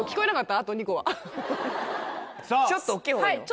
ちょっと大っきい方がいいの？